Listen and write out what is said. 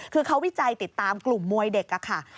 คือเขาวิจัยติดตามกลุ่มมวยเด็กค่ะ